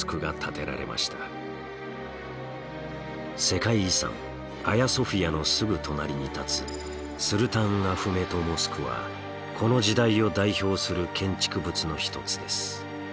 世界遺産アヤソフィアのすぐ隣に建つスルタンアフメト・モスクはこの時代を代表する建築物の一つです。